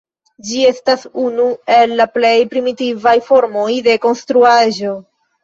Ĝi estas unu el la plej primitivaj formoj de konstruaĵo.